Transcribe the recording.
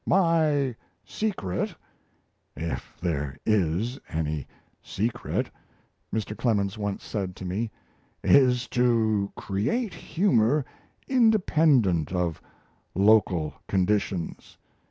"My secret if there is any secret ," Mr. Clemens once said to me, "is to create humour independent of local conditions.